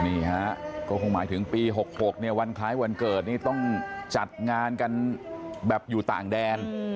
นี่ฮะก็คงหมายถึงปี๖๖เนี่ยวันคล้ายวันเกิดนี่ต้องจัดงานกันแบบอยู่ต่างแดน